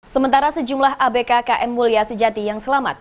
sementara sejumlah abk km mulia sejati yang selamat